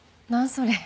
それ。